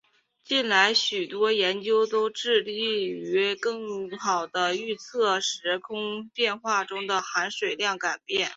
近来许多研究都致力于更好地预测时空变化中的含水量改变。